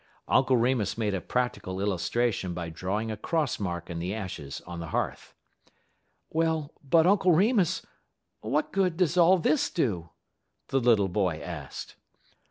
" Uncle Remus made a practical illustration by drawing a cross mark in the ashes on the hearth. "Well, but, Uncle Remus, what good does all this do?" the little boy asked.